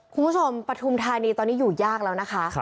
ครูผู้ชมประถุมธานีตอนนี้อยู่ยากแล้วนะคะ